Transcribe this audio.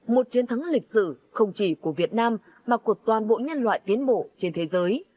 một chiến thắng lịch sử không chỉ của việt nam mà của toàn bộ nhân loại tiến bộ trên thế giới